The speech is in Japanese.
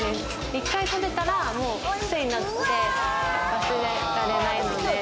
１回食べたらクセになって忘れられないんで。